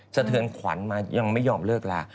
สะเทือนขวัญมายังไม่ยอมเลิกลา